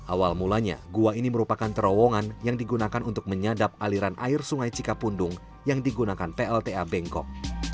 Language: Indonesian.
awal mulanya gua ini merupakan terowongan yang digunakan untuk menyadap aliran air sungai cikapundung yang digunakan plta bengkok